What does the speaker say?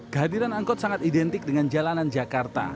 kehadiran angkot sangat identik dengan jalanan jakarta